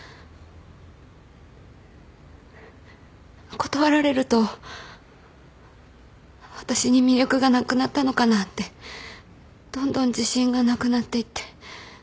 断られると私に魅力がなくなったのかなってどんどん自信がなくなっていって。